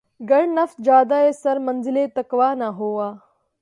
گر نفس جادہٴ سر منزلِ تقویٰ نہ ہوا